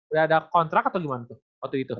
udah ada kontrak atau gimana tuh waktu itu